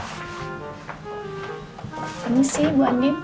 ini sih buatnya pak